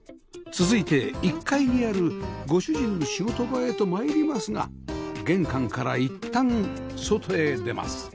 続いて１階にあるご主人の仕事場へと参りますが玄関からいったん外へ出ます